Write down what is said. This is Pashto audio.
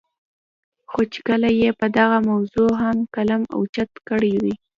خو چې کله ئې پۀ دغه موضوع هم قلم اوچت کړے دے